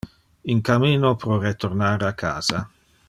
In camino pro retornar a casa.